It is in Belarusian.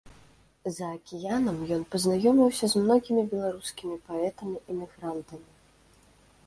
За акіянам ён пазнаёміўся з многімі беларускімі паэтамі-эмігрантамі.